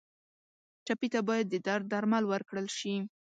ټپي ته باید د درد درمل ورکړل شي.